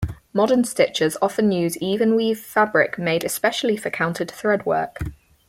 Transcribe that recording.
Modern stitchers often use even weave fabric made especially for counted thread work.